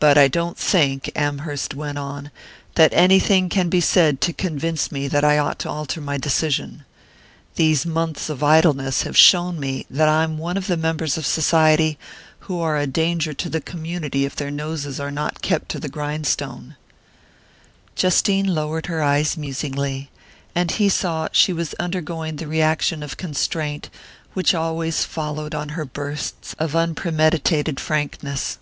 "But I don't think," Amherst went on, "that anything can be said to convince me that I ought to alter my decision. These months of idleness have shown me that I'm one of the members of society who are a danger to the community if their noses are not kept to the grindstone " Justine lowered her eyes musingly, and he saw she was undergoing the reaction of constraint which always followed on her bursts of unpremeditated frankness.